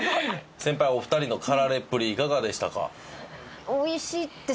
先輩お二人の駆られっぷりいかがでしたか？